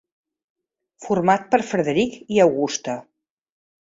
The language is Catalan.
Format per Frederick i Augusta.